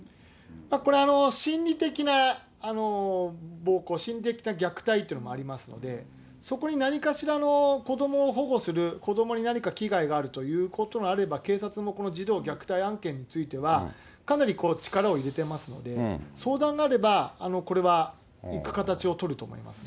これは心理的な暴行、心理的な虐待というのもありますので、そこに何かしらの子どもを保護する、子どもに何か危害があるということがあれば、警察もこの児童虐待案件については、かなり力を入れていますので、相談があれば、これは行く形を取ると思いますね。